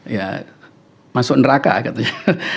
ya masuk neraka katanya